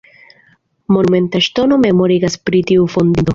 Monumenta ŝtono memorigas pri tiu fondinto.